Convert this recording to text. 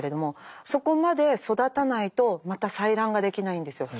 そこまで育たないとまた採卵ができないんですよ。